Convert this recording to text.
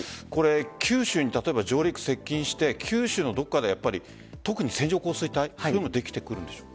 九州に、例えば上陸、接近して九州のどこか、特に線状降水帯できてくるんでしょうか。